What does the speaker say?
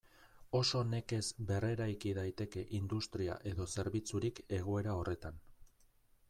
Oso nekez berreraiki daiteke industria edo zerbitzurik egoera horretan.